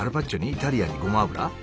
イタリアンにごま油？